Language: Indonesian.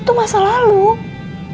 itu semua sakitnya luar biasa buat adin